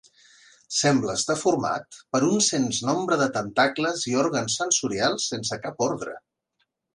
Sembla estar format per un sens nombre de tentacles i òrgans sensorials sense cap ordre.